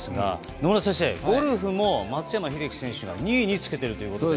野村先生、ゴルフも松山英樹選手が２位につけているということで。